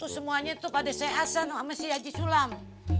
semuanya pada sehat sama si haji sulam